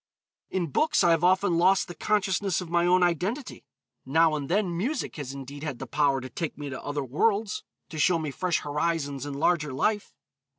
In books, I have often lost the consciousness of my own identity; now and then music has indeed had the power to take me to other worlds, to show me fresh horizons and larger life.